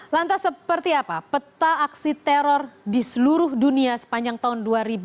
lantas seperti apa peta aksi teror di seluruh dunia sepanjang tahun dua ribu dua puluh